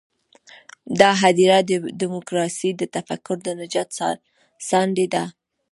دا هدیره د ډیموکراسۍ د تفکر د نجات ساندې ده.